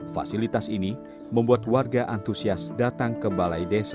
fasilitas ini membuat warga antusias datang kembali ke dunia maya